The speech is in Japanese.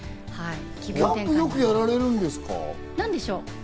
キャンプ、よくやられるんですか？